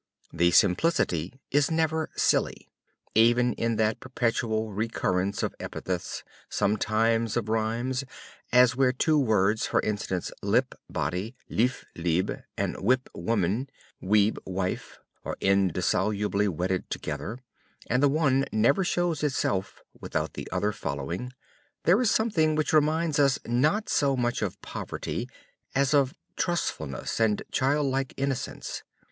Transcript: The simplicity is never silly; even in that perpetual recurrence of epithets, sometimes of rhymes, as where two words, for instance lip (body), lif (leib) and wip (woman), weib (wife) are indissolubly wedded together, and the one never shows itself without the other following there is something which reminds us not so much of poverty, as of trustfulness and childlike innocence.